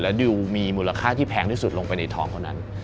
ดิวมีมูลค่าที่แพงที่สุดลงไปในทองคนนั้น